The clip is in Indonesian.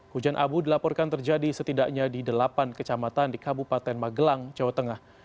hujan abu dilaporkan terjadi setidaknya di delapan kecamatan di kabupaten magelang jawa tengah